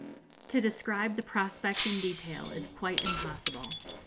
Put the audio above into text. To describe the prospect in detail is quite impossible.